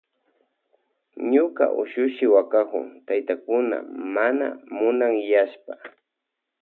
Ñuka ushushi wakakun taytakuna mana munanyashpa.